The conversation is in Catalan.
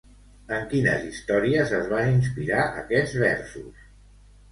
En quines històries es van inspirar aquests versos?